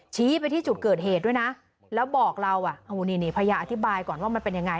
ชี้ไปที่จุดเกิดเหตุด้วยนะแล้วบอกเราอ่ะนี่นี่พยายามอธิบายก่อนว่ามันเป็นยังไง